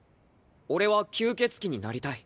俺は吸血鬼になりたい。